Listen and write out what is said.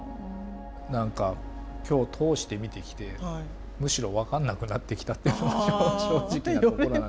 何か今日通して見てきてむしろ分かんなくなってきたっていうのが正直なところ。